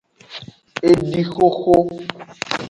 Edixoxo.